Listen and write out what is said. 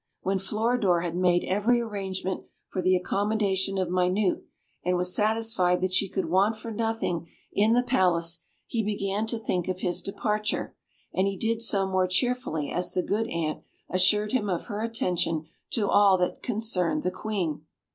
When Floridor had made every arrangement for the accommodation of Minute, and was satisfied that she could want for nothing in the palace, he began to think of his departure, and he did so more cheerfully as the good Ant assured him of her attention to all that concerned the Queen.